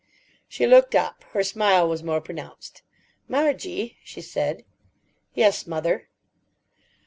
She looked up. Her smile was more pronounced. "Margie," she said. "Yes, mother?"